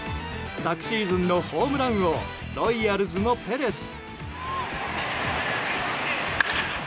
昨シーズンのホームラン王ロイヤルズのペレス。